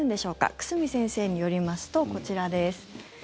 久住先生によりますとこちらです。